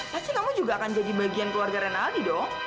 pasti kamu juga akan jadi bagian keluarga rinaldi dok